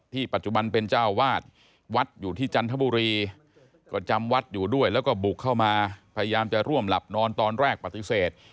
ปัจจุบันเป็นเจ้าวาดวัดอยู่ที่จันทบุรีก็จำวัดอยู่ด้วยแล้วก็บุกเข้ามาพยายามจะร่วมหลับนอนตอนแรกปฏิเสธ